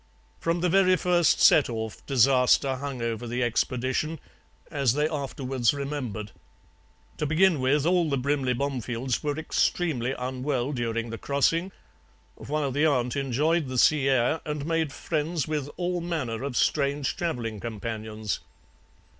"From the very first set off disaster hung over the expedition, as they afterwards remembered. To begin with, all the Brimley Bomefields were extremely unwell during the crossing, while the aunt enjoyed the sea air and made friends with all manner of strange travelling companions.